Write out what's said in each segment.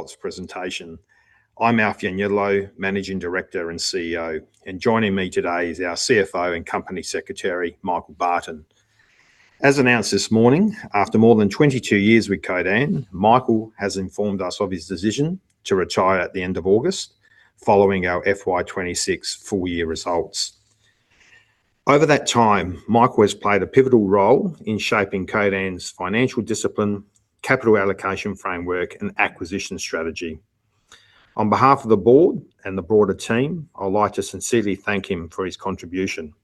Results presentation. I'm Alf Ianniello, Managing Director and CEO, and joining me today is our CFO and Company Secretary, Michael Barton. As announced this morning, after more than 22 years with Codan, Michael has informed us of his decision to retire at the end of August, following our FY26 full year results. Over that time, Michael has played a pivotal role in shaping Codan's financial discipline, capital allocation framework, and acquisition strategy. On behalf of the board and the broader team, I'd like to sincerely thank him for his contribution.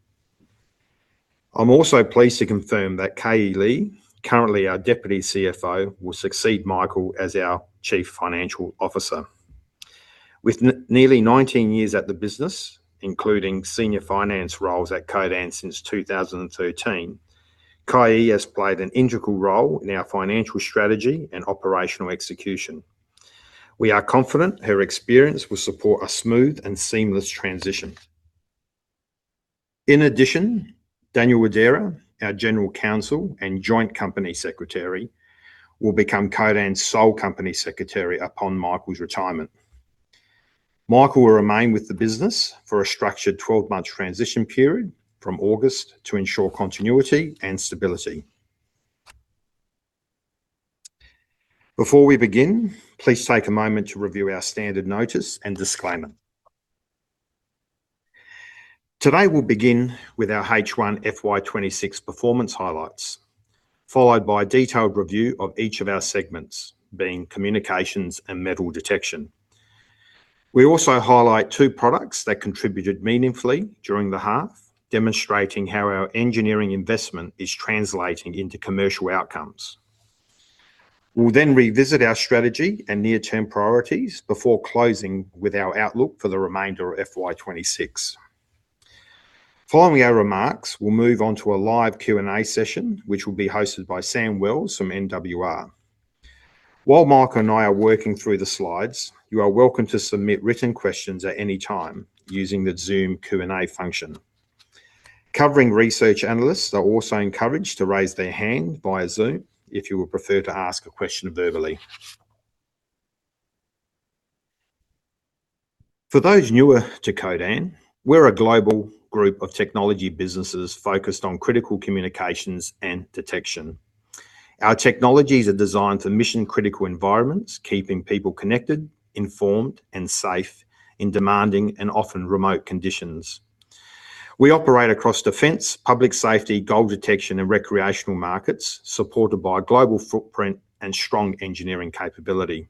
I'm also pleased to confirm that Kayi Li, currently our Deputy CFO, will succeed Michael as our Chief Financial Officer. With nearly 19 years at the business, including senior finance roles at Codan since 2013, Kayi has played an integral role in our financial strategy and operational execution. We are confident her experience will support a smooth and seamless transition. In addition, Daniel Widera, our General Counsel and Joint Company Secretary, will become Codan's sole Company Secretary upon Michael's retirement. Michael will remain with the business for a structured 12-month transition period from August to ensure continuity and stability. Before we begin, please take a moment to review our standard notice and disclaimer. Today, we'll begin with our H1 FY 2026 performance highlights, followed by a detailed review of each of our segments, being communications and metal detection. We also highlight two products that contributed meaningfully during the half, demonstrating how our engineering investment is translating into commercial outcomes. We'll then revisit our strategy and near-term priorities before closing with our outlook for the remainder of FY 2026. Following our remarks, we'll move on to a live Q&A session, which will be hosted by Sam Wells from NWR. While Michael and I are working through the slides, you are welcome to submit written questions at any time using the Zoom Q&A function. Covering research analysts are also encouraged to raise their hand via Zoom if you would prefer to ask a question verbally. For those newer to Codan, we're a global group of technology businesses focused on critical communications and detection. Our technologies are designed for mission-critical environments, keeping people connected, informed, and safe in demanding and often remote conditions. We operate across defense, public safety, gold detection, and recreational markets, supported by a global footprint and strong engineering capability.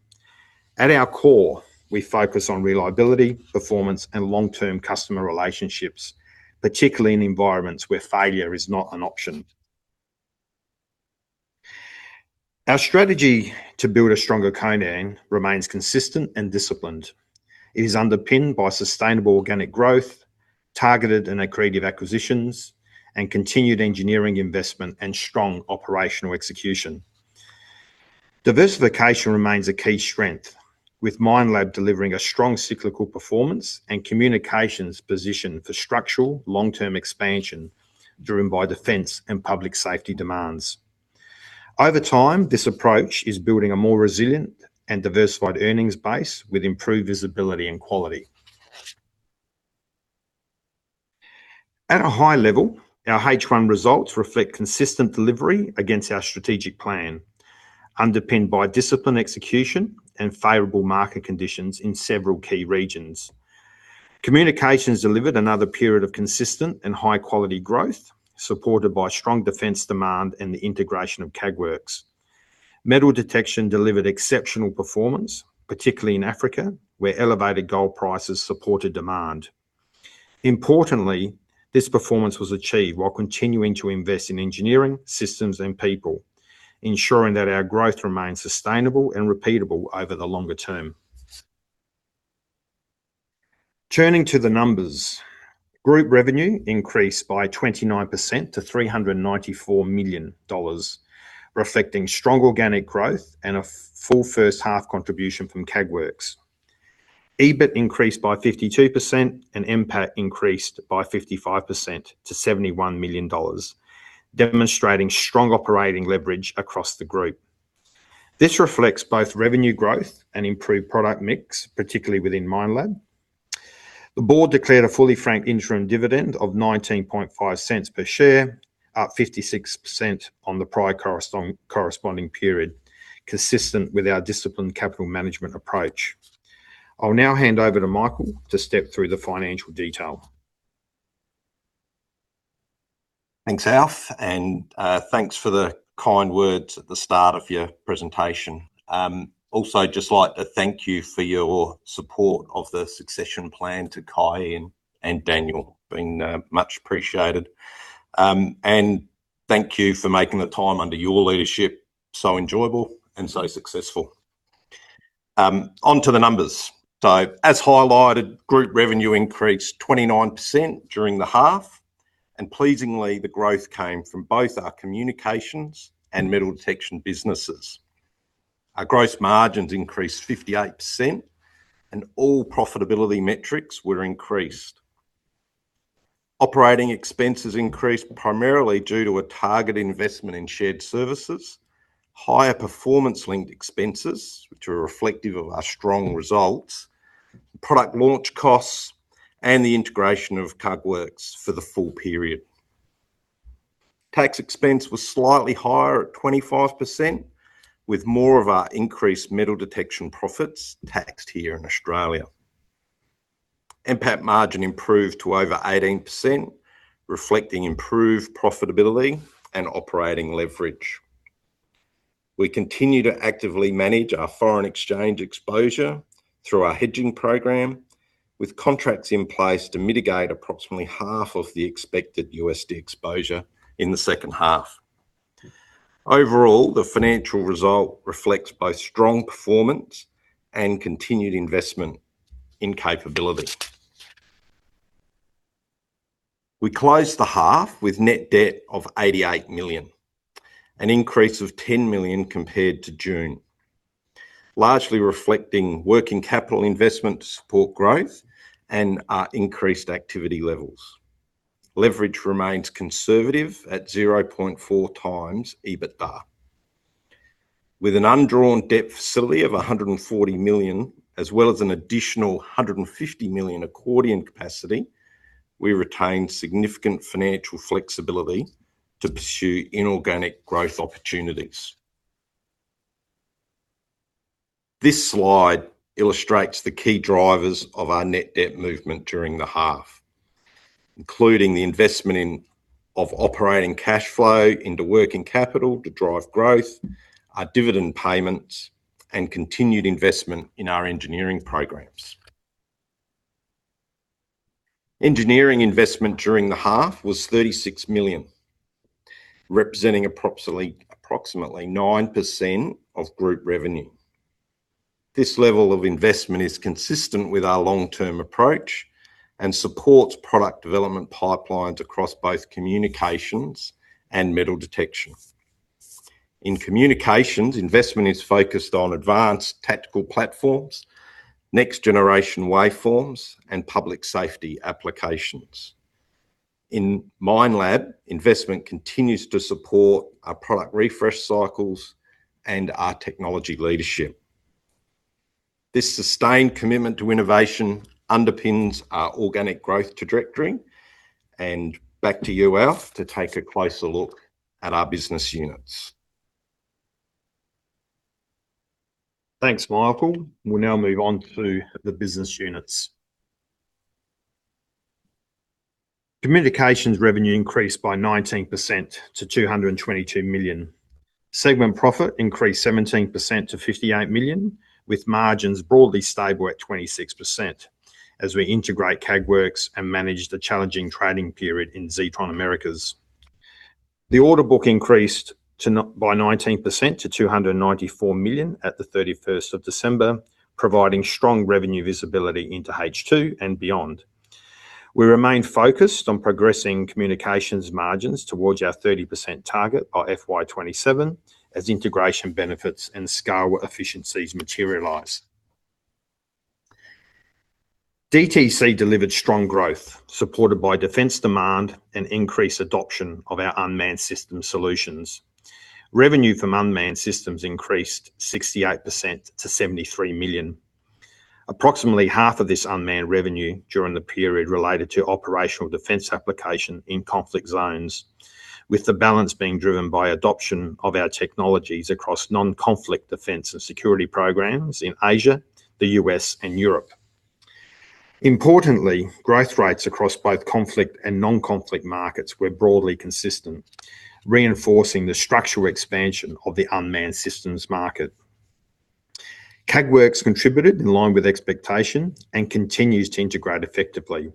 At our core, we focus on reliability, performance, and long-term customer relationships, particularly in environments where failure is not an option. Our strategy to build a stronger Codan remains consistent and disciplined. It is underpinned by sustainable organic growth, targeted and accretive acquisitions, and continued engineering investment and strong operational execution. Diversification remains a key strength, with Minelab delivering a strong cyclical performance and communications positioned for structural, long-term expansion, driven by defense and public safety demands. Over time, this approach is building a more resilient and diversified earnings base with improved visibility and quality. At a high level, our H1 results reflect consistent delivery against our strategic plan, underpinned by disciplined execution and favorable market conditions in several key regions. Communications delivered another period of consistent and high-quality growth, supported by strong defense demand and the integration of Kägwerks. Metal detection delivered exceptional performance, particularly in Africa, where elevated gold prices supported demand. Importantly, this performance was achieved while continuing to invest in engineering, systems, and people, ensuring that our growth remains sustainable and repeatable over the longer term. Turning to the numbers, group revenue increased by 29% to 394 million dollars, reflecting strong organic growth and a full first half contribution from Kägwerks. EBIT increased by 52%, and NPAT increased by 55% to 71 million dollars, demonstrating strong operating leverage across the group. This reflects both revenue growth and improved product mix, particularly within Minelab. The board declared a fully franked interim dividend of 19.5 cents per share, up 56% on the prior corresponding period, consistent with our disciplined capital management approach. I'll now hand over to Michael to step through the financial detail. Thanks, Alf, and thanks for the kind words at the start of your presentation. Also, just like to thank you for your support of the succession plan to Kayi and Daniel. Been much appreciated. And thank you for making the time under your leadership so enjoyable and so successful. On to the numbers. So, as highlighted, group revenue increased 29% during the half, and pleasingly, the growth came from both our communications and metal detection businesses. Our gross margins increased 58%, and all profitability metrics were increased. Operating expenses increased primarily due to a target investment in shared services, higher performance-linked expenses, which are reflective of our strong results, product launch costs, and the integration of Kägwerks for the full period. Tax expense was slightly higher at 25%, with more of our increased metal detection profits taxed here in Australia. NPAT margin improved to over 18%, reflecting improved profitability and operating leverage. We continue to actively manage our foreign exchange exposure through our hedging program, with contracts in place to mitigate approximately half of the expected USD exposure in the second half. Overall, the financial result reflects both strong performance and continued investment in capability. We closed the half with net debt of 88 million, an increase of 10 million compared to June, largely reflecting working capital investment to support growth and our increased activity levels. Leverage remains conservative at 0.4x EBITDA. With an undrawn debt facility of 140 million, as well as an additional 150 million accordion capacity, we retain significant financial flexibility to pursue inorganic growth opportunities. This slide illustrates the key drivers of our net debt movement during the half, including the investment of operating cash flow into working capital to drive growth, our dividend payments, and continued investment in our engineering programs. Engineering investment during the half was 36 million, representing approximately 9% of group revenue. This level of investment is consistent with our long-term approach and supports product development pipelines across both communications and metal detection. In communications, investment is focused on advanced tactical platforms, next-generation waveforms, and public safety applications. In Minelab, investment continues to support our product refresh cycles and our technology leadership. This sustained commitment to innovation underpins our organic growth trajectory. And back to you, Alf, to take a closer look at our business units. Thanks, Michael. We'll now move on to the business units. Communications revenue increased by 19% to 222 million. Segment profit increased 17% to 58 million, with margins broadly stable at 26% as we integrate Kägwerks and manage the challenging trading period in Zetron Americas. The order book increased by 19% to 294 million at the 31st of December, providing strong revenue visibility into H2 and beyond. We remain focused on progressing communications margins towards our 30% target by FY 2027 as integration benefits and scale efficiencies materialize. DTC delivered strong growth, supported by defense demand and increased adoption of our unmanned system solutions. Revenue from unmanned systems increased 68% to 73 million. Approximately half of this unmanned revenue during the period related to operational defense application in conflict zones, with the balance being driven by adoption of our technologies across non-conflict defense and security programs in Asia, the U.S., and Europe. Importantly, growth rates across both conflict and non-conflict markets were broadly consistent, reinforcing the structural expansion of the unmanned systems market. Kägwerks contributed in line with expectation and continues to integrate effectively,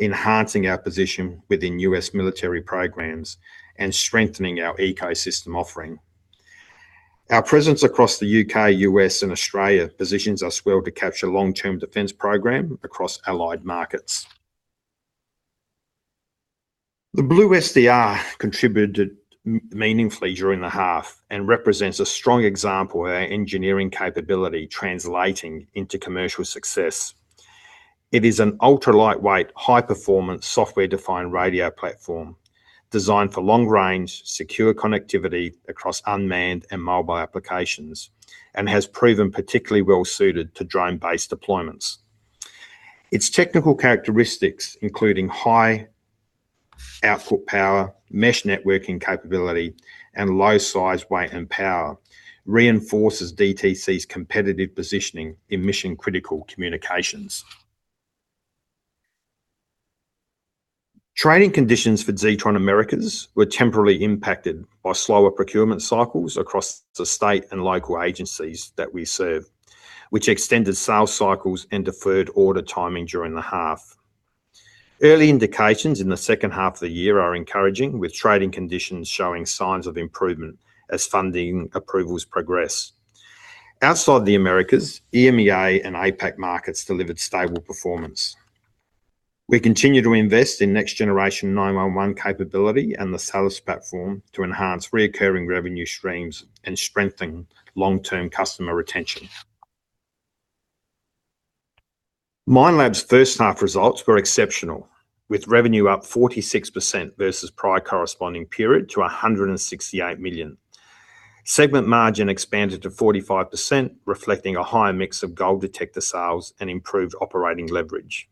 enhancing our position within U.S. military programs and strengthening our ecosystem offering. Our presence across the U.K., U.S., and Australia positions us well to capture long-term defense program across allied markets. The BluSDR contributed meaningfully during the half and represents a strong example of our engineering capability translating into commercial success. It is an ultra-lightweight, high-performance, software-defined radio platform designed for long-range, secure connectivity across unmanned and mobile applications, and has proven particularly well-suited to drone-based deployments. Its technical characteristics, including high output power, mesh networking capability, and low size, weight, and power, reinforces DTC's competitive positioning in mission-critical communications. Trading conditions for Zetron Americas were temporarily impacted by slower procurement cycles across the state and local agencies that we serve, which extended sales cycles and deferred order timing during the half. Early indications in the second half of the year are encouraging, with trading conditions showing signs of improvement as funding approvals progress. Outside the Americas, EMEA and APAC markets delivered stable performance. We continue to invest in next-generation 911 capability and the sales platform to enhance recurring revenue streams and strengthen long-term customer retention. Minelab's first half results were exceptional, with revenue up 46% versus prior corresponding period to 168 million. Segment margin expanded to 45%, reflecting a higher mix of gold detector sales and improved operating leverage.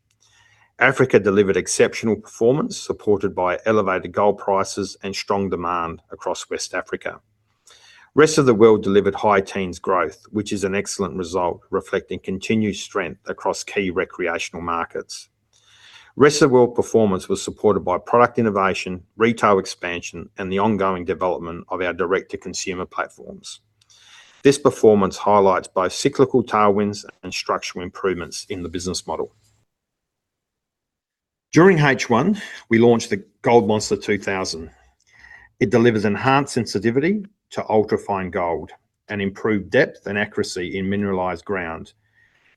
Africa delivered exceptional performance, supported by elevated gold prices and strong demand across West Africa. Rest of the world delivered high teens growth, which is an excellent result, reflecting continued strength across key recreational markets. Rest of the world performance was supported by product innovation, retail expansion, and the ongoing development of our direct-to-consumer platforms. This performance highlights both cyclical tailwinds and structural improvements in the business model. During H1, we launched the Gold Monster 2000. It delivers enhanced sensitivity to ultra-fine gold and improved depth and accuracy in mineralized ground,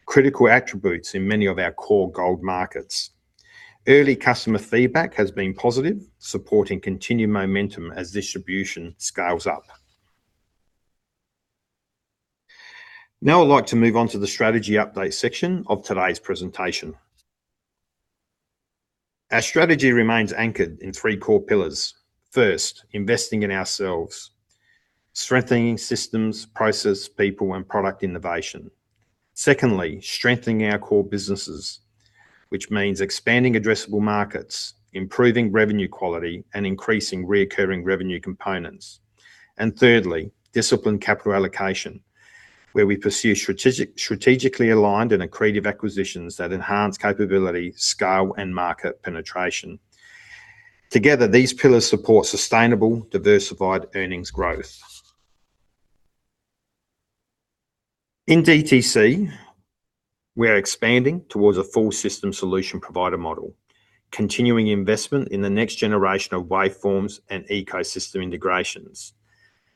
critical attributes in many of our core gold markets. Early customer feedback has been positive, supporting continued momentum as distribution scales up. Now, I'd like to move on to the strategy update section of today's presentation. Our strategy remains anchored in three core pillars. First, investing in ourselves, strengthening systems, process, people, and product innovation. Secondly, strengthening our core businesses, which means expanding addressable markets, improving revenue quality, and increasing recurring revenue components. And thirdly, disciplined capital allocation, where we pursue strategically aligned and accretive acquisitions that enhance capability, scale, and market penetration. Together, these pillars support sustainable, diversified earnings growth. In DTC, we are expanding towards a full system solution provider model, continuing investment in the next generation of waveforms and ecosystem integrations.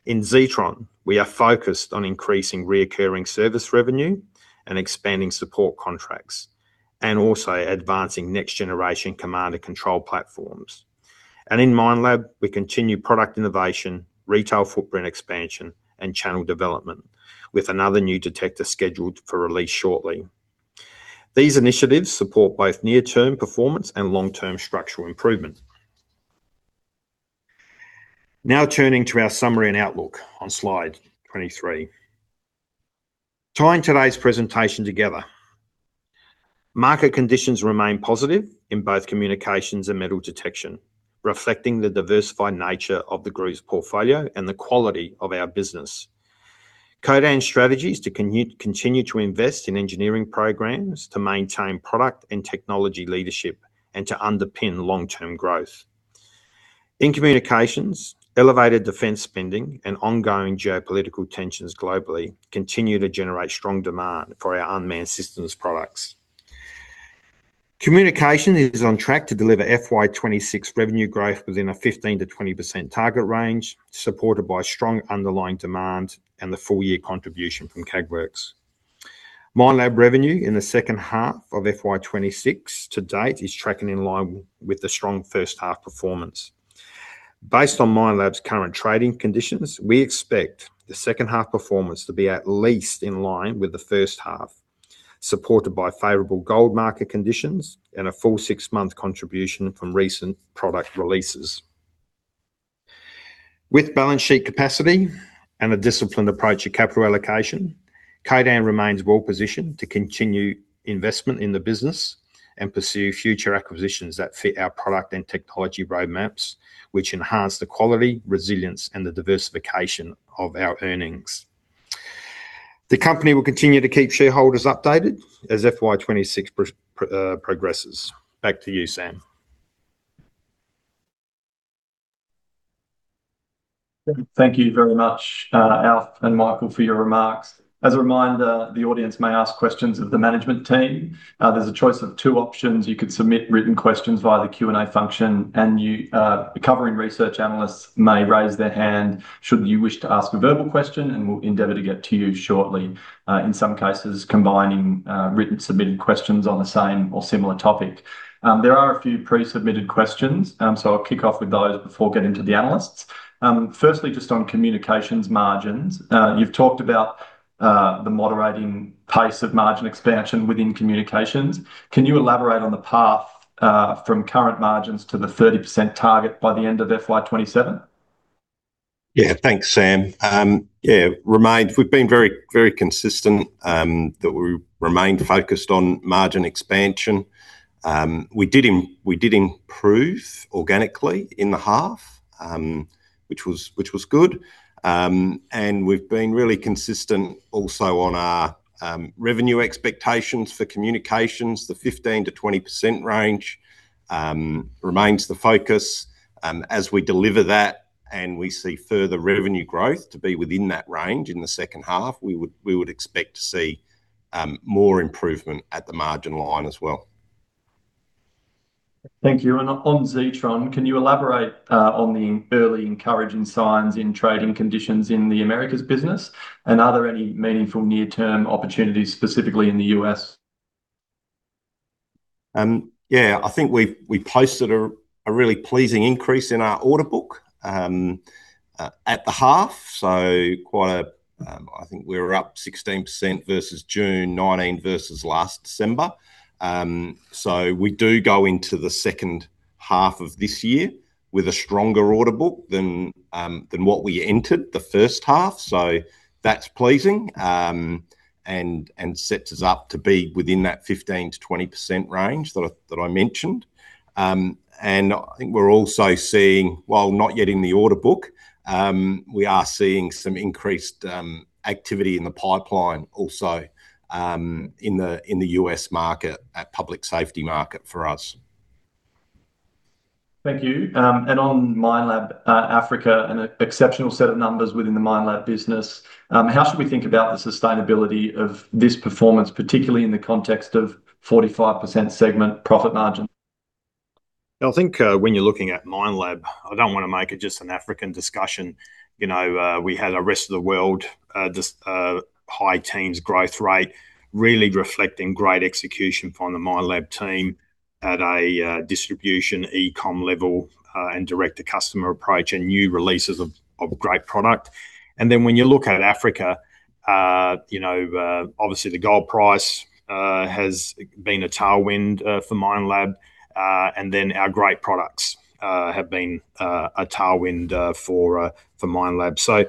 In Zetron, we are focused on increasing recurring service revenue and expanding support contracts, and also advancing next-generation command and control platforms. And in Minelab, we continue product innovation, retail footprint expansion, and channel development, with another new detector scheduled for release shortly. These initiatives support both near-term performance and long-term structural improvement. Now, turning to our summary and outlook on slide 23. Tying today's presentation together, market conditions remain positive in both communications and metal detection, reflecting the diversified nature of the group's portfolio and the quality of our business. Codan's strategy is to continue to invest in engineering programs, to maintain product and technology leadership, and to underpin long-term growth. In communications, elevated defense spending and ongoing geopolitical tensions globally continue to generate strong demand for our unmanned systems products. Communications is on track to deliver FY 2026 revenue growth within a 15%-20% target range, supported by strong underlying demand and the full-year contribution from Kägwerks. Minelab revenue in the second half of FY 2026 to date is tracking in line with the strong first half performance. Based on Minelab's current trading conditions, we expect the second half performance to be at least in line with the first half, supported by favorable gold market conditions and a full six-month contribution from recent product releases. With balance sheet capacity and a disciplined approach to capital allocation, Codan remains well positioned to continue investment in the business and pursue future acquisitions that fit our product and technology roadmaps, which enhance the quality, resilience, and the diversification of our earnings. The company will continue to keep shareholders updated as FY26 progresses. Back to you, Sam. Thank you very much, Alf and Michael, for your remarks. As a reminder, the audience may ask questions of the management team. There's a choice of two options: you could submit written questions via the Q&A function, and you, covering research analysts may raise their hand should you wish to ask a verbal question, and we'll endeavor to get to you shortly, in some cases, combining written submitted questions on the same or similar topic. There are a few pre-submitted questions, so I'll kick off with those before getting to the analysts. Firstly, just on communications margins. You've talked about the moderating pace of margin expansion within communications. Can you elaborate on the path from current margins to the 30% target by the end of FY 2027? Yeah. Thanks, Sam. Yeah, remains, we've been very, very consistent that we remain focused on margin expansion. We did improve organically in the half, which was good. And we've been really consistent also on our revenue expectations for communications. The 15%-20% range remains the focus. As we deliver that, and we see further revenue growth to be within that range in the second half, we would expect to see more improvement at the margin line as well. Thank you. And on, on Zetron, can you elaborate on the early encouraging signs in trading conditions in the Americas business? And are there any meaningful near-term opportunities, specifically in the U.S.? Yeah, I think we've, we posted a, a really pleasing increase in our order book, at, at the half, so quite a, I think we're up 16% versus June 9 versus last December. So we do go into the second half of this year with a stronger order book than, than what we entered the first half, so that's pleasing, and, and sets us up to be within that 15%-20% range that I, that I mentioned. And I think we're also seeing, while not yet in the order book, we are seeing some increased, activity in the pipeline also, in the, in the U.S. market, at public safety market for us. Thank you. And on Minelab, Africa, an exceptional set of numbers within the Minelab business. How should we think about the sustainability of this performance, particularly in the context of 45% segment profit margin? I think, when you're looking at Minelab, I don't wanna make it just an African discussion. You know, we had a rest of the world, this high teens growth rate, really reflecting great execution from the Minelab team at a distribution, e-com level, and direct-to-customer approach and new releases of great product. And then when you look at Africa, you know, obviously, the gold price has been a tailwind for Minelab, and then our great products have been a tailwind for Minelab.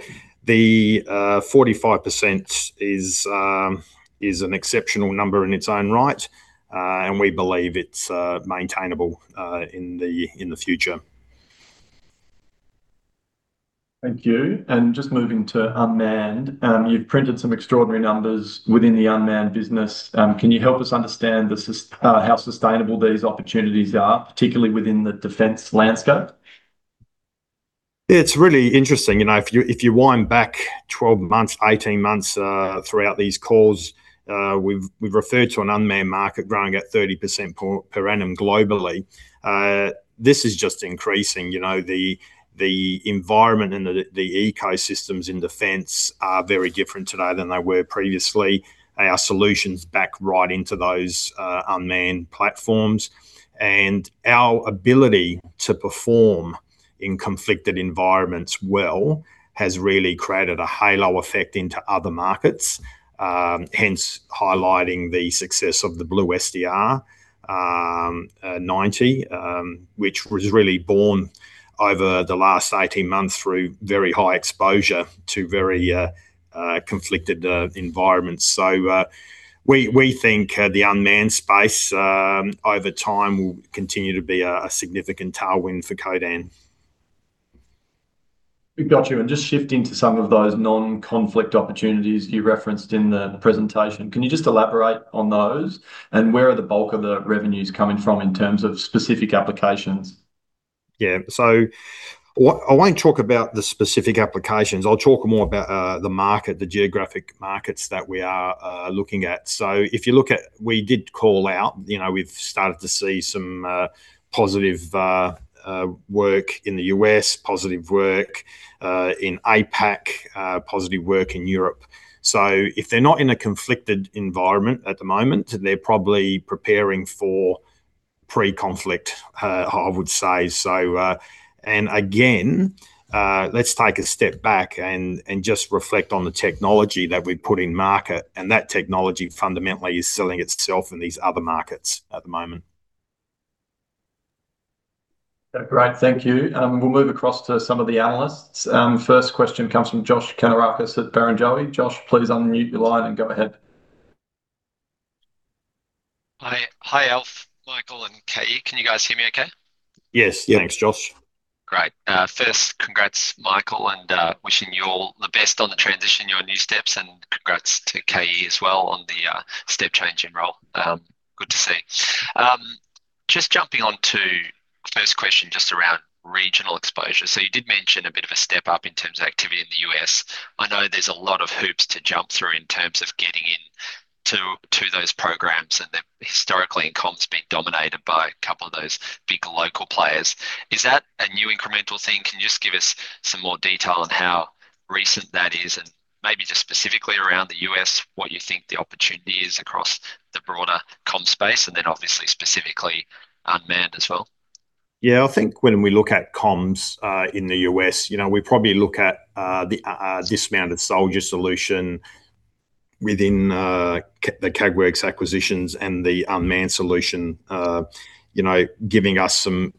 So the 45% is an exceptional number in its own right, and we believe it's maintainable in the future. Thank you. Just moving to unmanned. You've printed some extraordinary numbers within the unmanned business. Can you help us understand how sustainable these opportunities are, particularly within the defense landscape? It's really interesting. You know, if you, if you wind back 12 months, 18 months, throughout these calls, we've, we've referred to an unmanned market growing at 30% per annum globally. This is just increasing, you know, the environment and the ecosystems in defense are very different today than they were previously. Our solutions back right into those unmanned platforms. And our ability to perform in conflicted environments well has really created a halo effect into other markets, hence highlighting the success of the BluSDR-90, which was really born over the last 18 months through very high exposure to very conflicted environments. So, we, we think, the unmanned space, over time will continue to be a significant tailwind for Codan. We've got you. And just shifting to some of those non-conflict opportunities you referenced in the presentation. Can you just elaborate on those, and where are the bulk of the revenues coming from in terms of specific applications? Yeah. So, I won't talk about the specific applications. I'll talk more about the market, the geographic markets that we are looking at. So if you look at, we did call out, you know, we've started to see some positive work in the U.S., positive work in APAC, positive work in Europe. So if they're not in a conflicted environment at the moment, they're probably preparing for pre-conflict, I would say. So, and again, let's take a step back and just reflect on the technology that we put in market, and that technology fundamentally is selling itself in these other markets at the moment. Great. Thank you. We'll move across to some of the analysts. First question comes from Josh Kannourakis at Barrenjoey. Josh, please unmute your line and go ahead. Hi. Hi, Alf, Michael, and Kayi Can you guys hear me okay? Yes. Thanks, Josh. Great. First, congrats, Michael, and wishing you all the best on the transition, your new steps, and congrats to Kayi as well on the step change in role. Good to see. Just jumping on to first question just around regional exposure. So you did mention a bit of a step up in terms of activity in the U.S. I know there's a lot of hoops to jump through in terms of getting in to, to those programs, and then historically, comms been dominated by a couple of those big local players. Is that a new incremental thing? Can you just give us some more detail on how recent that is, and maybe just specifically around the U.S., what you think the opportunity is across the broader comm space, and then obviously, specifically unmanned as well? Yeah, I think when we look at comms in the U.S., you know, we probably look at the dismounted soldier solution within the Kägwerks acquisitions and the unmanned solution, you know, giving us some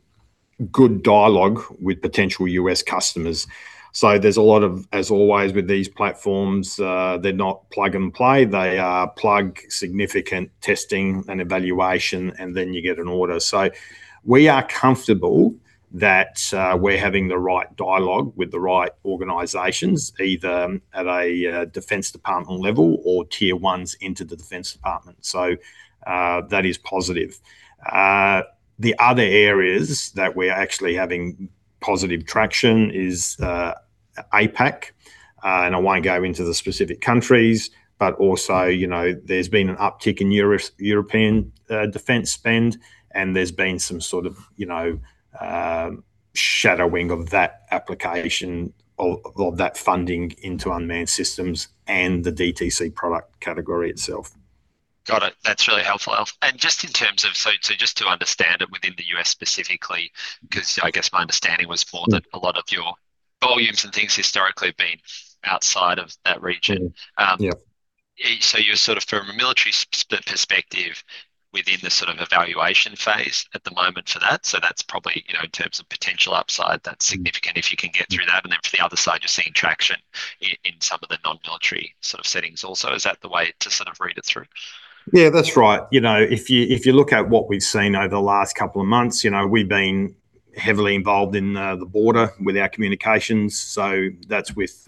good dialogue with potential U.S. customers. So there's a lot of, as always, with these platforms, they're not plug and play, they require significant testing and evaluation, and then you get an order. So we are comfortable that we're having the right dialogue with the right organizations, either at a defense department level or tier ones into the defense department. So, that is positive. The other areas that we're actually having positive traction is APAC, and I won't go into the specific countries, but also, you know, there's been an uptick in European defense spend, and there's been some sort of, you know, shadowing of that application or that funding into unmanned systems and the DTC product category itself. Got it. That's really helpful, Alf. Just in terms of—so just to understand it within the U.S. specifically, 'cause I guess my understanding was more that a lot of your volumes and things historically have been outside of that region. Yeah. So you're sort of from a military perspective within the sort of evaluation phase at the moment for that, so that's probably, you know, in terms of potential upside, that's significant if you can get through that. And then from the other side, you're seeing traction in some of the non-military sort of settings also. Is that the way to sort of read it through? Yeah, that's right. You know, if you look at what we've seen over the last couple of months, you know, we've been heavily involved in the border with our communications, so that's with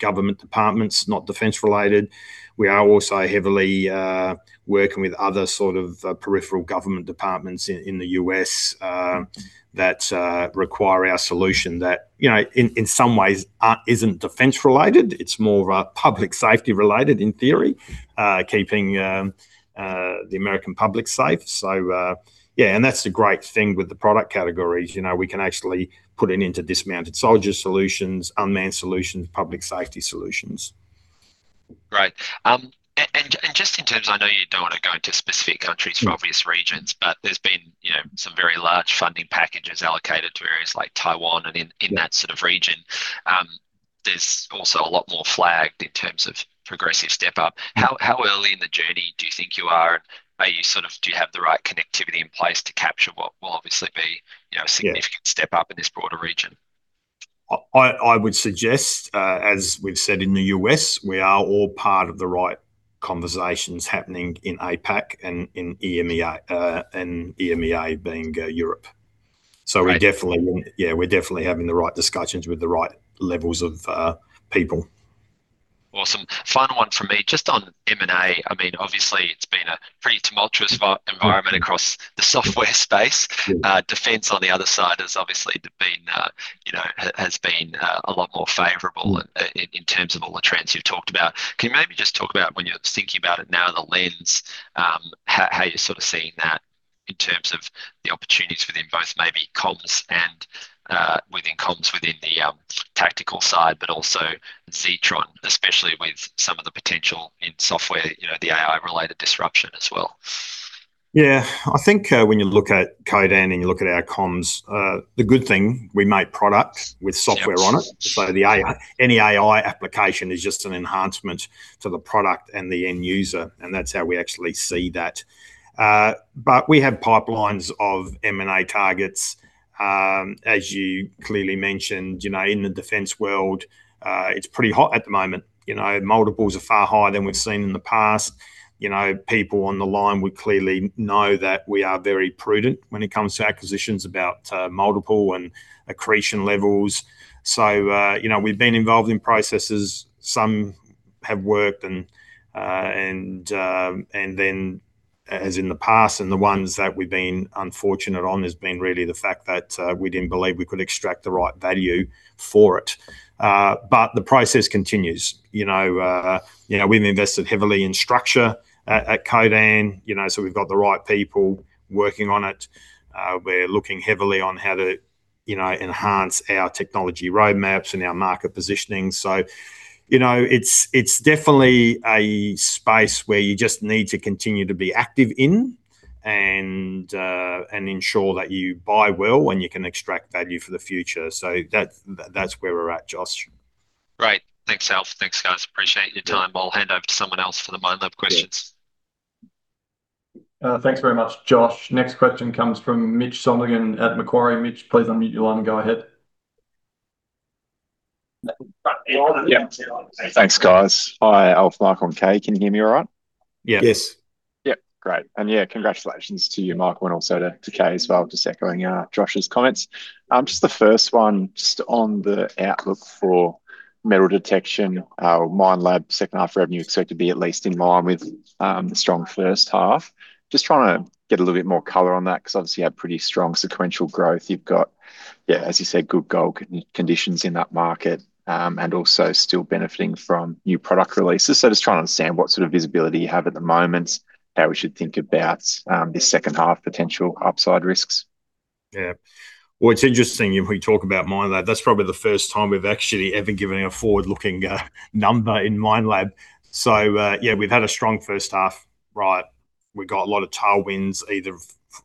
government departments, not defense related. We are also heavily working with other sort of peripheral government departments in the U.S. that require our solution that, you know, in some ways isn't defense related. It's more public safety related in theory, keeping the American public safe. So, yeah, and that's the great thing with the product categories. You know, we can actually put it into dismounted soldier solutions, unmanned solutions, public safety solutions. Great. And just in terms, I know you don't want to go into specific countries for obvious reasons, but there's been, you know, some very large funding packages allocated to areas like Taiwan and in that sort of region. There's also a lot more flagged in terms of progressive step-up. How early in the journey do you think you are? Are you sort of—do you have the right connectivity in place to capture what will obviously be, you know, a significant step-up in this broader region? I would suggest, as we've said in the U.S., we are all part of the right conversations happening in APAC and in EMEA, and EMEA being Europe. Great. We definitely, yeah, we're definitely having the right discussions with the right levels of people. Awesome. Final one from me, just on M&A. I mean, obviously, it's been a pretty tumultuous environment across the software space. Yeah. Defense on the other side has obviously been, you know, has been a lot more favorable, in terms of all the trends you've talked about. Can you maybe just talk about when you're thinking about it now, the lens, how you're sort of seeing that in terms of the opportunities within both maybe comms and, within comms, within the tactical side, but also Zetron, especially with some of the potential in software, you know, the AI-related disruption as well? Yeah. I think, when you look at Codan and you look at our comms, the good thing, we make products with software on it. Yeah. So the AI, any AI application is just an enhancement to the product and the end user, and that's how we actually see that. But we have pipelines of M&A targets. As you clearly mentioned, you know, in the defense world, it's pretty hot at the moment. You know, people on the line would clearly know that we are very prudent when it comes to acquisitions about multiple and accretion levels. So, you know, we've been involved in processes. Some have worked and as in the past, and the ones that we've been unfortunate on has been really the fact that we didn't believe we could extract the right value for it. But the process continues. You know, you know, we've invested heavily in structure at Codan, you know, so we've got the right people working on it. We're looking heavily on how to, you know, enhance our technology roadmaps and our market positioning. So, you know, it's, it's definitely a space where you just need to continue to be active in and, and ensure that you buy well when you can extract value for the future. So that's, that's where we're at, Josh. Great. Thanks, Alf. Thanks, guys. Appreciate your time. Yeah. I'll hand over to someone else for the Minelab questions. Thanks very much, Josh. Next question comes from Mitch Sonogan at Macquarie. Mitch, please unmute your line. Go ahead. Yeah. Thanks, guys. Hi, Alf, Mike, and Kay. Can you hear me all right? Yeah. Yes. Yep, great. And yeah, congratulations to you, Michael, and also to Kay as well, just echoing Josh's comments. Just the first one, just on the outlook for metal detection, Minelab's second half revenue expected to be at least in line with the strong first half. Just trying to get a little bit more color on that, 'cause obviously you had pretty strong sequential growth. You've got, yeah, as you said, good gold conditions in that market, and also still benefiting from new product releases. So just trying to understand what sort of visibility you have at the moment, how we should think about the second half potential upside risks. Yeah. Well, it's interesting, if we talk about Minelab, that's probably the first time we've actually ever given a forward-looking, number in Minelab. So, yeah, we've had a strong first half, right? We got a lot of tailwinds, either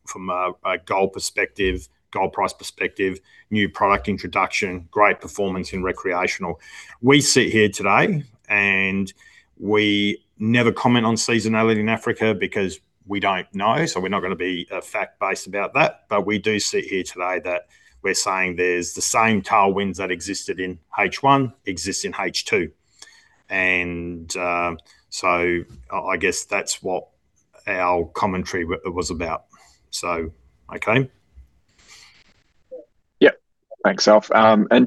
from, a gold perspective, gold price perspective, new product introduction, great performance in recreational. We sit here today, and we never comment on seasonality in Africa because we don't know, so we're not gonna be fact-based about that. But we do sit here today that we're saying there's the same tailwinds that existed in H1, exists in H2. And, so I guess that's what our commentary was about. So, okay? Yeah. Thanks, Alf.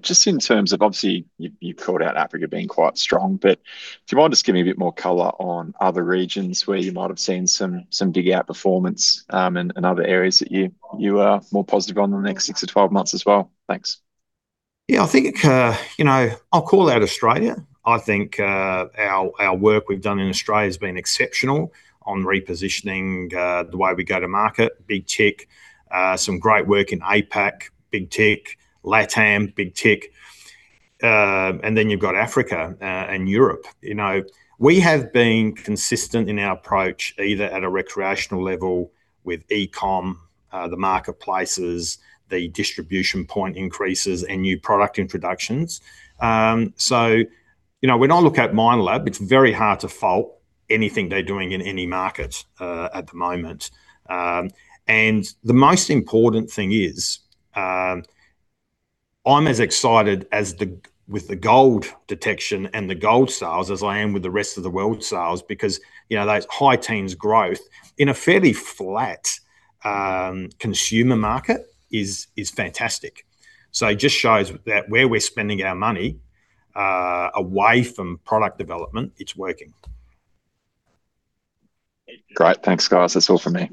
Just in terms of, obviously, you, you've called out Africa being quite strong, but do you mind just giving a bit more color on other regions where you might have seen some dig-out performance, and other areas that you are more positive on in the next 6 months-12 months as well? Thanks. Yeah, I think, you know, I'll call out Australia. I think our work we've done in Australia has been exceptional on repositioning the way we go to market. Big tick, some great work in APAC, big tick, LatAm, big tick, and then you've got Africa and Europe. You know, we have been consistent in our approach, either at a recreational level with e-com, the marketplaces, the distribution point increases, and new product introductions. You know, when I look at Minelab, it's very hard to fault anything they're doing in any market at the moment. The most important thing is, I'm as excited as with the gold detection and the gold sales as I am with the rest of the world sales, because, you know, that high teens growth in a fairly flat consumer market is fantastic. So it just shows that where we're spending our money away from product development, it's working. Great. Thanks, guys. That's all from me.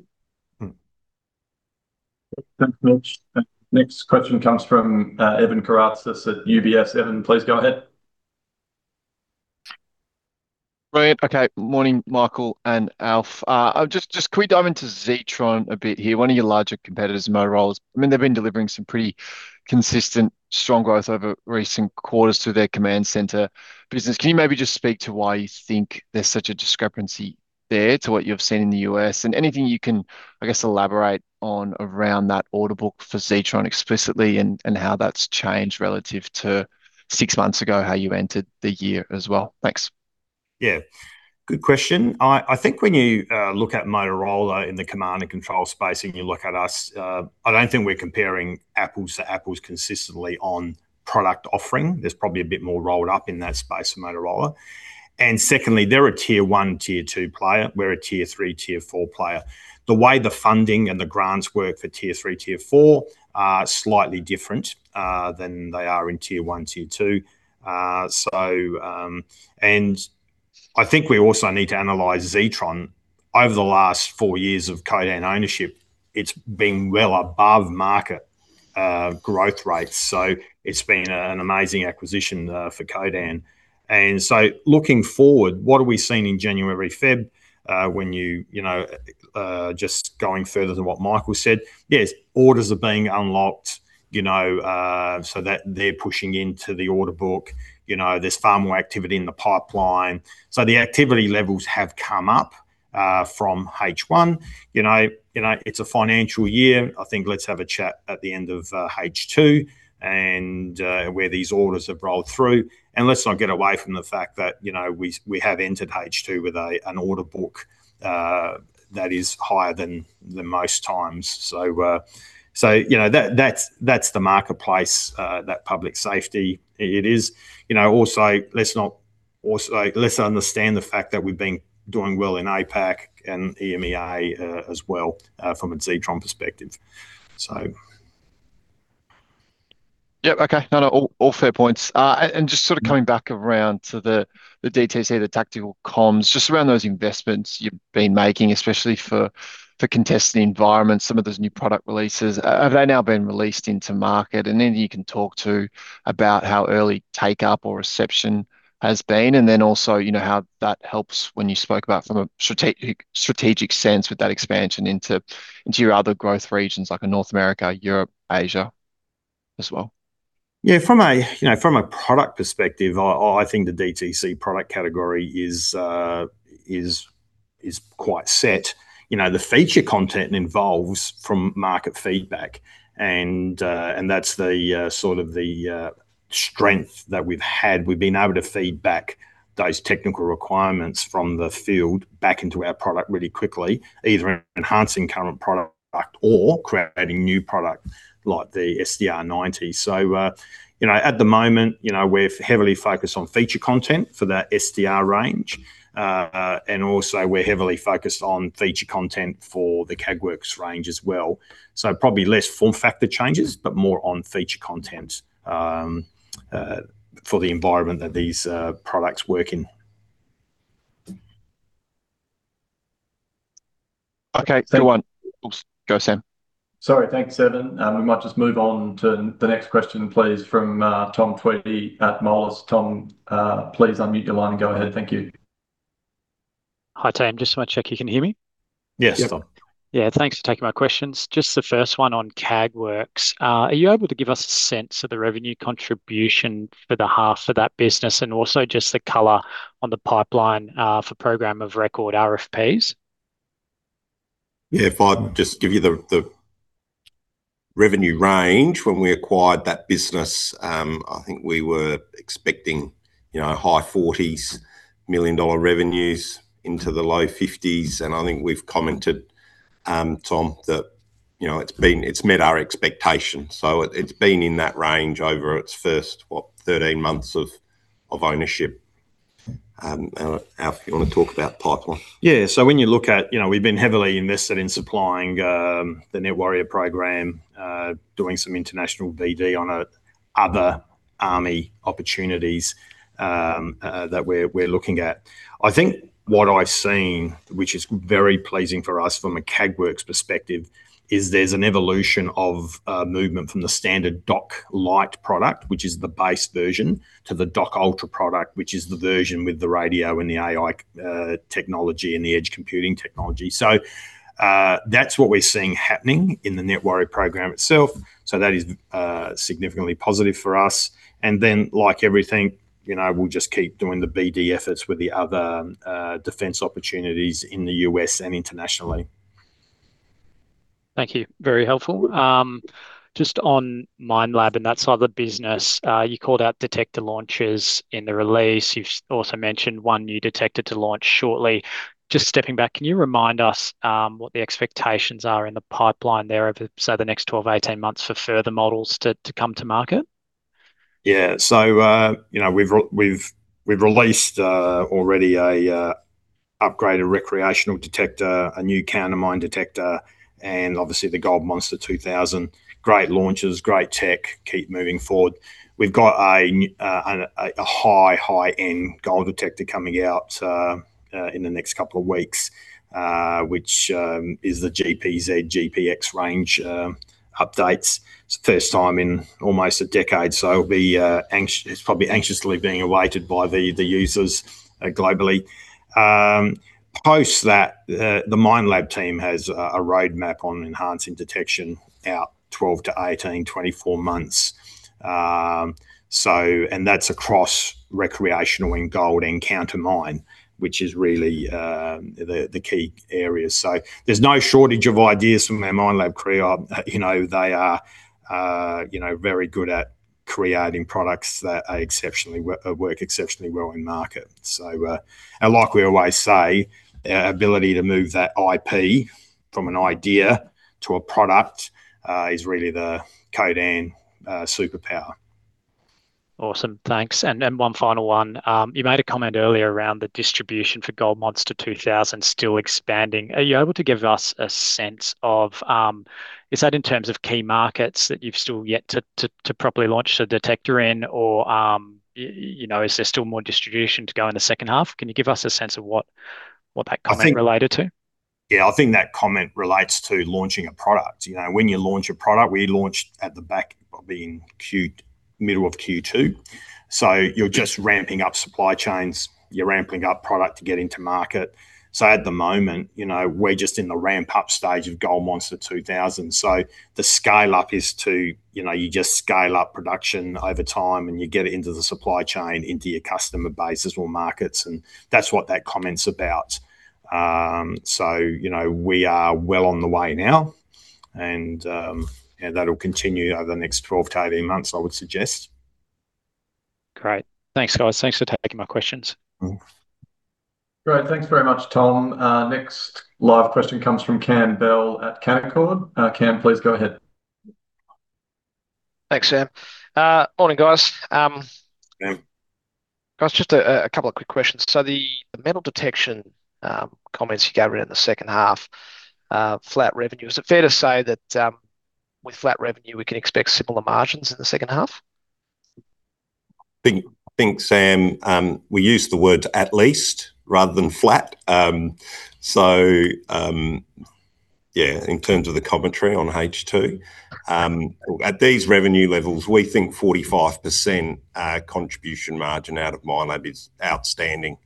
Thanks, Mitch. The next question comes from Evan Karatzaz at UBS. Evan, please go ahead. Great. Okay. Morning, Michael and Alf. Just can we dive into Zetron a bit here, one of your larger competitors, Motorola. I mean, they've been delivering some pretty consistent strong growth over recent quarters through their command center business. Can you maybe just speak to why you think there's such a discrepancy there to what you've seen in the U.S.? And anything you can, I guess, elaborate on around that order book for Zetron explicitly and how that's changed relative to six months ago, how you entered the year as well. Thanks. Yeah, good question. I think when you look at Motorola in the command and control space, and you look at us, I don't think we're comparing apples to apples consistently on product offering. There's probably a bit more rolled up in that space for Motorola. And secondly, they're a tier one, tier two player. We're a tier three, tier four player. The way the funding and the grants work for tier three, tier four are slightly different than they are in tier one, tier two. So I think we also need to analyze Zetron. Over the last four years of Codan ownership, it's been well above market growth rates, so it's been an amazing acquisition for Codan. And so looking forward, what have we seen in January, February, when you know just going further than what Michael said? Yes, orders are being unlocked, you know, so that they're pushing into the order book. You know, there's far more activity in the pipeline. So the activity levels have come up from H1. You know, it's a financial year. I think let's have a chat at the end of H2, and where these orders have rolled through. Let's not get away from the fact that, you know, we have entered H2 with an order book that is higher than most times. That's the marketplace, that public safety, it is. You know, also, let's not also, let's understand the fact that we've been doing well in APAC and EMEA, as well, from a Zetron perspective. So... Yeah, okay. No, no, all fair points. And just sort of coming back around to the DTC, the tactical comms, just around those investments you've been making, especially for contested environments, some of those new product releases. Have they now been released into market? And then you can talk to about how early take-up or reception has been, and then also, you know, how that helps when you spoke about from a strategic sense with that expansion into your other growth regions, like in North America, Europe, Asia as well. Yeah, from a, you know, from a product perspective, I think the DTC product category is quite set. You know, the feature content involves from market feedback, and that's the sort of the strength that we've had. We've been able to feed back those technical requirements from the field back into our product really quickly, either enhancing current product or creating new product like the SDR 90. So, you know, at the moment, you know, we're heavily focused on feature content for that SDR range. And also, we're heavily focused on feature content for the Kägwerks range as well. So probably less form factor changes, but more on feature content for the environment that these products work in. Okay, thank you. Oops, go, Sam. Sorry. Thanks, Evan. We might just move on to the next question, please, from Tom Tweedie at Moelis. Tom, please unmute your line and go ahead. Thank you. Hi, team. Just want to check you can hear me? Yes, Tom. Yeah, thanks for taking my questions. Just the first one on Kägwerks. Are you able to give us a sense of the revenue contribution for the half of that business, and also just the color on the pipeline, for program of record RFPs? Yeah, if I just give you the revenue range when we acquired that business, I think we were expecting, you know, high 40 million dollar into low 50 million revenues, and I think we've commented, Tom, that, you know, it's been, it's met our expectations. So it's been in that range over its first 13 months of ownership. Alf, you want to talk about pipeline? Yeah. So when you look at, you know, we've been heavily invested in supplying the Nett Warrior program, doing some international BD on other army opportunities that we're looking at. I think what I've seen, which is very pleasing for us from a Kägwerks perspective, is there's an evolution of movement from the standard DOCK Lite product, which is the base version, to the DOCK Ultra product, which is the version with the radio and the AI technology and the edge computing technology. So that's what we're seeing happening in the Nett Warrior program itself, so that is significantly positive for us. And then, like everything, you know, we'll just keep doing the BD efforts with the other defense opportunities in the U.S. and internationally. Thank you. Very helpful. Just on Minelab and that side of the business, you called out detector launches in the release. You've also mentioned one new detector to launch shortly. Just stepping back, can you remind us, what the expectations are in the pipeline there over, say, the next 12 months-18 months for further models to come to market? Yeah. So, you know, we've released already an upgraded recreational detector, a new counter mine detector, and obviously, the Gold Monster 2000. Great launches, great tech, keep moving forward. We've got a high-end gold detector coming out in the next couple of weeks, which is the GPZ, GPX range updates. It's the first time in almost a decade, so it'll be anxiously being awaited by the users globally. Post that, the Minelab team has a roadmap on enhancing detection out 12-18, 24 months. And that's across recreational and gold and counter mine, which is really the key areas. So there's no shortage of ideas from our Minelab crew. You know, they are, you know, very good at creating products that work exceptionally well in market. So, and like we always say, our ability to move that IP from an idea to a product is really the Codan superpower. Awesome. Thanks. And then one final one. You made a comment earlier around the distribution for Gold Monster 2000 still expanding. Are you able to give us a sense of? Is that in terms of key markets that you've still yet to properly launch the detector in? Or, you know, is there still more distribution to go in the second half? Can you give us a sense of what that comment- I think-... related to? Yeah, I think that comment relates to launching a product. You know, when you launch a product, we launched at the back of in Q, middle of Q2, so you're just ramping up supply chains, you're ramping up product to get into market. So at the moment, you know, we're just in the ramp-up stage of Gold Monster 2000. So the scale-up is to, you know, you just scale up production over time, and you get it into the supply chain, into your customer bases or markets, and that's what that comment's about. So, you know, we are well on the way now, and, and that'll continue over the next 12 months-18 months, I would suggest. Great. Thanks, guys. Thanks for taking my questions. Great. Thanks very much, Tom. Next live question comes from Cam Bell at Canaccord. Cam, please go ahead. Thanks, Sam. Morning, guys. Morning. Guys, just a couple of quick questions. So the metal detection comments you gave in the second half, flat revenue, is it fair to say that with flat revenue, we can expect similar margins in the second half? Think, think, Cam, we used the word at least rather than flat. Yeah, in terms of the commentary on H2, at these revenue levels, we think 45% contribution margin out of Minelab is outstanding.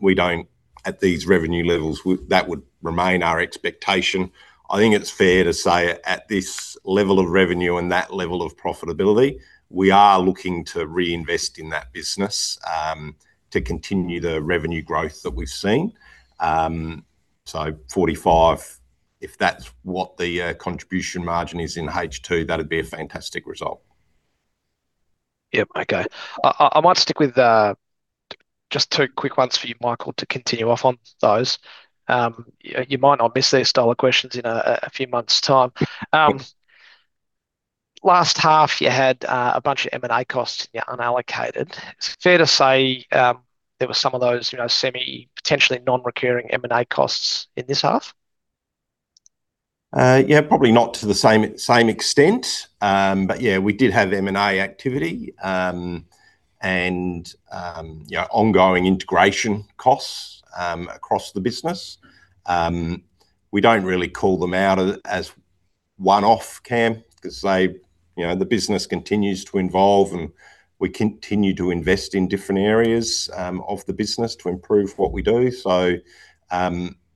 We don't, at these revenue levels, that would remain our expectation. I think it's fair to say at this level of revenue and that level of profitability, we are looking to reinvest in that business to continue the revenue growth that we've seen. So 45, if that's what the contribution margin is in H2, that'd be a fantastic result. Yep. Okay. I might stick with just two quick ones for you, Michael, to continue off on those. You might not miss these style of questions in a few months' time. Last half, you had a bunch of M&A costs in your unallocated. Is it fair to say there were some of those, you know, semi-potentially non-recurring M&A costs in this half? Yeah, probably not to the same, same extent. But yeah, we did have M&A activity, and, yeah, ongoing integration costs across the business. We don't really call them out as one-off, Cam, 'cause they, you know, the business continues to evolve, and we continue to invest in different areas of the business to improve what we do. So,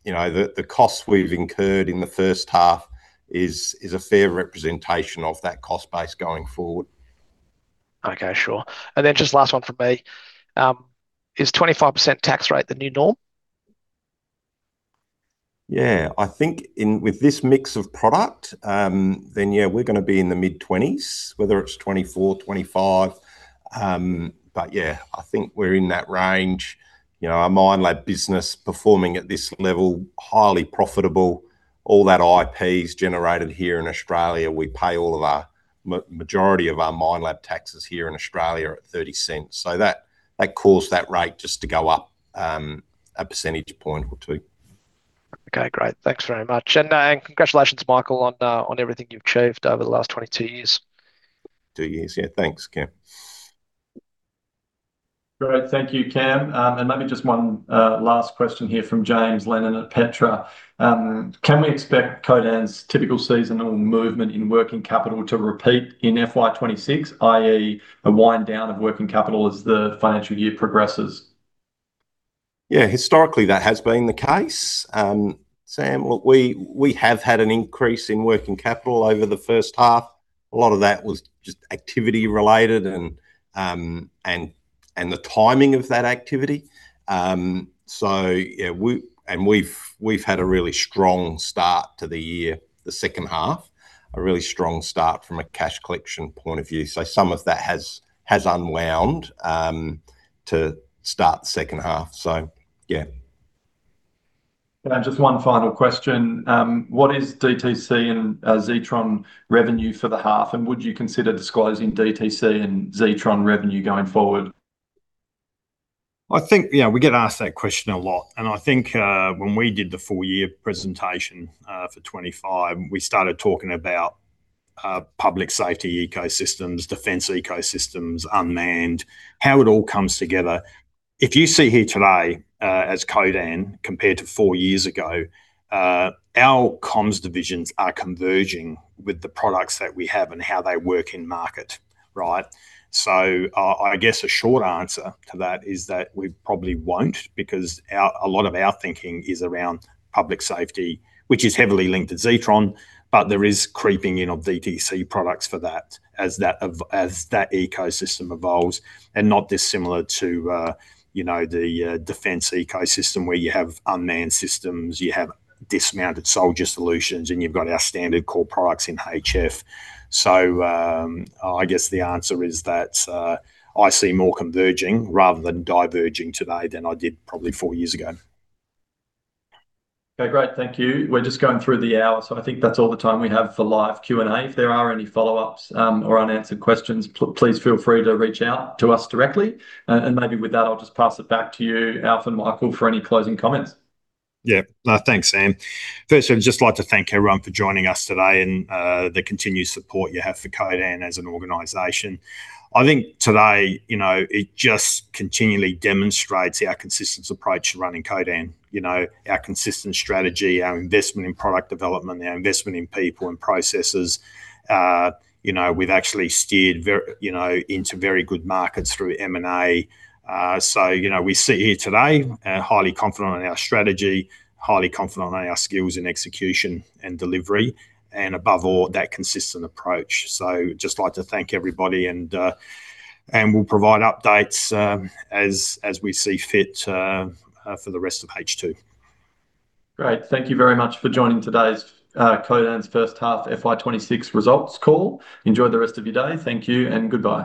you know, the costs we've incurred in the first half is a fair representation of that cost base going forward. Okay, sure. And then just last one from me, is 25% tax rate the new norm? Yeah. I think in, with this mix of product, then yeah, we're gonna be in the mid-20s, whether it's 24, 25. But yeah, I think we're in that range. You know, our Minelab business performing at this level, highly profitable, all that IP is generated here in Australia. We pay all of our majority of our Minelab taxes here in Australia at 30%. So that, that caused that rate just to go up, a percentage point or two. Okay, great. Thanks very much. And congratulations, Michael, on everything you've achieved over the last 22 years. Two years. Yeah. Thanks, Cam. Great. Thank you, Cam. And maybe just one last question here from James Lennon at Petra. Can we expect Codan's typical seasonal movement in working capital to repeat in FY 2026, i.e., a wind down of working capital as the financial year progresses? Yeah, historically, that has been the case. Sam, look, we have had an increase in working capital over the first half. A lot of that was just activity related and the timing of that activity. Yeah, we have had a really strong start to the year, the second half, a really strong start from a cash collection point of view. Some of that has unwound to start the second half. Yeah. Just one final question. What is DTC and Zetron revenue for the half, and would you consider disclosing DTC and Zetron revenue going forward? I think, yeah, we get asked that question a lot, and I think, when we did the full year presentation, for 25, we started talking about, public safety ecosystems, defense ecosystems, unmanned, how it all comes together. If you see here today, as Codan, compared to four years ago, our comms divisions are converging with the products that we have and how they work in market, right? So, I guess a short answer to that is that we probably won't, because our, a lot of our thinking is around public safety, which is heavily linked to Zetron, but there is creeping in of DTC products for that, as that of, as that ecosystem evolves, and not dissimilar to, you know, the, defense ecosystem, where you have unmanned systems, you have dismounted soldier solutions, and you've got our standard core products in HF. I guess the answer is that I see more converging rather than diverging today than I did probably four years ago. Okay, great. Thank you. We're just going through the hour, so I think that's all the time we have for live Q&A. If there are any follow-ups, or unanswered questions, please feel free to reach out to us directly. And maybe with that, I'll just pass it back to you, Alf and Michael, for any closing comments. Yeah. Thanks, Sam. First, I'd just like to thank everyone for joining us today and the continued support you have for Codan as an organization. I think today, you know, it just continually demonstrates our consistent approach to running Codan. You know, our consistent strategy, our investment in product development, our investment in people and processes. You know, we've actually steered very, you know, into very good markets through M&A. So, you know, we sit here today, highly confident in our strategy, highly confident in our skills and execution and delivery, and above all, that consistent approach. So just like to thank everybody, and we'll provide updates, as we see fit, for the rest of H2. Great. Thank you very much for joining today's Codan's first half FY26 results call. Enjoy the rest of your day. Thank you and goodbye.